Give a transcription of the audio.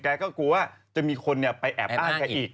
ก็กลัวว่าจะมีคนไปแอบอ้างแกอีก